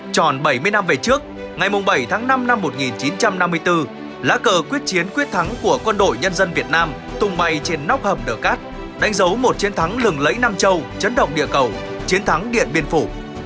tròn bảy mươi năm về trước ngày bảy tháng năm năm một nghìn chín trăm năm mươi bốn lá cờ quyết chiến quyết thắng của quân đội nhân dân việt nam tùng mây trên nóc hầm đờ cát đánh dấu một chiến thắng lừng lẫy nam châu chấn động địa cầu chiến thắng điện biên phủ